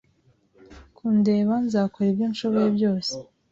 kundeba Nzakora ibyo nshoboye byose